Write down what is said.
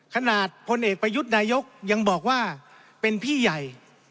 พลเอกประยุทธ์นายกยังบอกว่าเป็นพี่ใหญ่